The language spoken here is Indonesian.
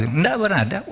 enggak pernah ada